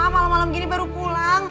malam malam gini baru pulang